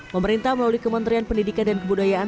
pemerintah melalui kementerian pendidikan dan kebudayaan